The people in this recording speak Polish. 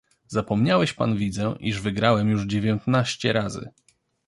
"Zapomniałeś pan widzę, iż wygrałem już dziewiętnaście razy!"